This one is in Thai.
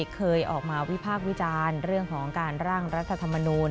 เคยออกมาวิพากษ์วิจารณ์เรื่องของการร่างรัฐธรรมนูล